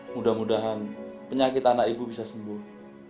mudah mudahan penyakit anak ibu bisa sembuh